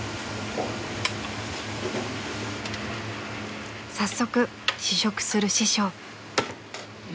［早速試食する師匠］